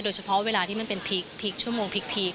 โดยเฉพาะเวลาที่มันเป็นพีคพีคชั่วโมงพีค